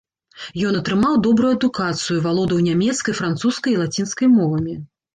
Ён атрымаў добрую адукацыю, валодаў нямецкай, французскай і лацінскай мовамі.